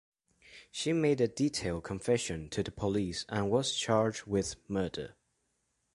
She made a detailed confession to the police and was charged with murder.